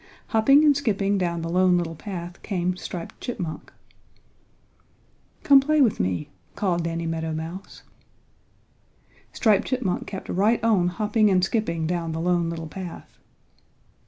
Hopping and skipping down the Lone Little Path came Striped Chipmunk. "Come play with me," called Danny Meadow Mouse. Striped Chipmunk kept right on hopping and skipping down the Lone Little Path.